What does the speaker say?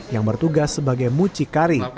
yang bertugas sebagai mucikari